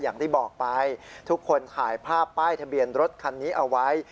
อย่างที่บอกไปทุกคนถ่ายภาพป้ายทะเบียนรถคันนี้เอาไว้